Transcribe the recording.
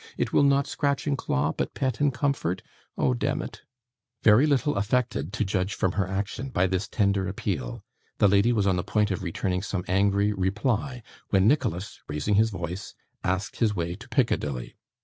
It will not scratch and claw, but pet and comfort? Oh, demmit!' Very little affected, to judge from her action, by this tender appeal, the lady was on the point of returning some angry reply, when Nicholas, raising his voice, asked his way to Piccadilly.